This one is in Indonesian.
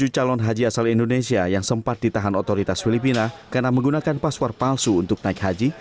satu ratus tujuh puluh tujuh calon haji asal indonesia yang sempat ditahan otoritas filipina karena menggunakan password palsu untuk naik haji